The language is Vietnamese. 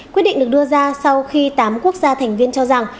quyết định được đưa ra sau khi tám quốc gia thành viên cho rằng